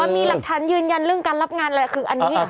มีหลักฐานยืนยันเรื่องการรับงานอะไรคืออันนี้